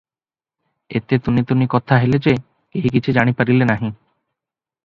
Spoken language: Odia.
ଏତେ ତୁନି ତୁନି କଥା ହେଲେ ଯେ, କେହି କିଛି ଜାଣି ପାରିଲେ ନାହିଁ ।